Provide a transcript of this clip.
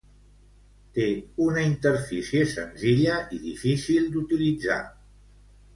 Té una interfície senzilla i difícil d'utilitzar.